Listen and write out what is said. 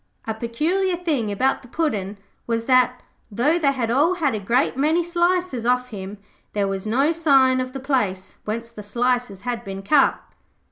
A peculiar thing about the Puddin' was that, though they had all had a great many slices off him, there was no sign of the place whence the slices had been cut.